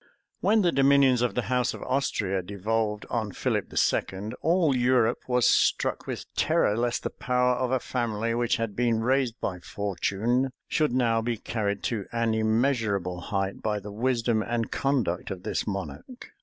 When the dominions of the house of Austria devolved on Philip II., all Europe was struck with terror, lest the power of a family, which had been raised by fortune, should now be carried to an immeasurable height by the wisdom and conduct of this monarch.